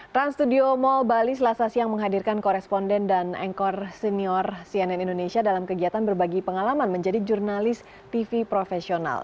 trans studio mall bali selasa siang menghadirkan koresponden dan engkor senior cnn indonesia dalam kegiatan berbagi pengalaman menjadi jurnalis tv profesional